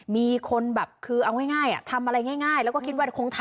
มีคนแบบคือเอาง่ายทำอะไรง่ายแล้วก็คิดว่าคงทำ